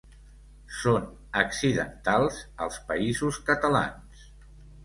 Són accidentals als Països Catalans.